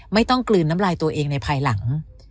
ไม่ต้องกลืนน้ำลายตัวเองในภายหลัง